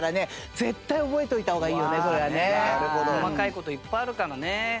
細かい事いっぱいあるからね。